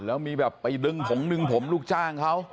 แล้วมีแบบไปดึงผงดึงผมลูกจ้างเขา